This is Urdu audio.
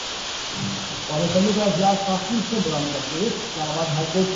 یہ کیسے تبدیل ہوں۔